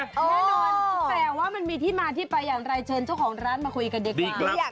แน่นอนแต่ว่ามันมีที่มาที่ไปอย่างไรเชิญเจ้าของร้านมาคุยกันดีกว่า